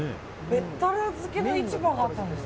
べったら漬けの市場があったんですか？